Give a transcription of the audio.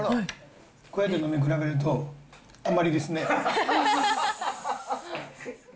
こうやって飲み比べると、あんまりですね。